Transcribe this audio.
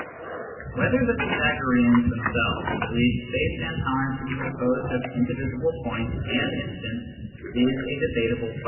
Whether the Pythagoreans themselves believed space and time to be composed of indivisible points and instants is a debatable question.